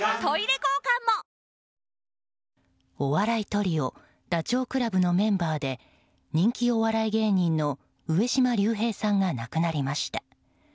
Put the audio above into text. トリオダチョウ倶楽部のメンバーで人気お笑い芸人の上島竜兵さんが亡くなりました。